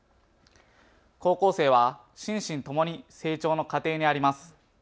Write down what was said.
高校生は心身ともに成長の過程にあります。